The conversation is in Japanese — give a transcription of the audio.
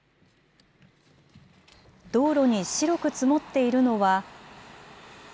道路に白く積もっているのは。